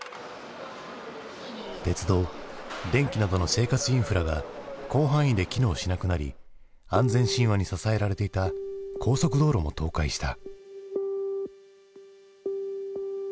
鉄道電気などの生活インフラが広範囲で機能しなくなり安全神話に支えられていた高速道路も倒壊した。